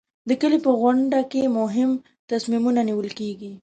د کلي په غونډه کې مهم تصمیمونه نیول کېږي.